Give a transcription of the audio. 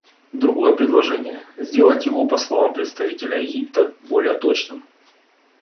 Другое предложение — сделать его, по словам представителя Египта, более точным.